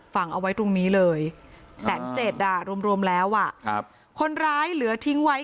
ฝั่งเอาไว้ตรงนี้เลย๑๑๐๐๐ลิบรวมแล้วคับคนร้ายเหลือทิ้งไว้